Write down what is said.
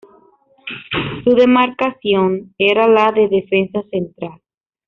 Su demarcación era la de defensa central.